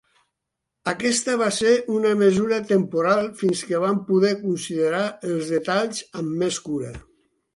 Aquesta va ser una mesura temporal fins que van poder considerar els detalls amb més cura.